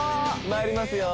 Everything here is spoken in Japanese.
まいりますよ